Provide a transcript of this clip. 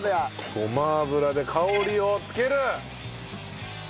ごま油で香りをつける！